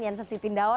jangan sesitin dulu